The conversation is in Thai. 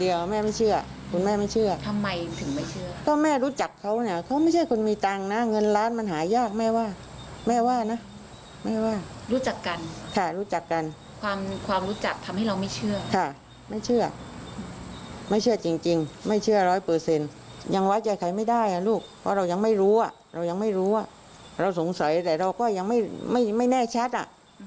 เราสงสัยแต่เราก็ยังไม่แน่แช็ตอ่ะ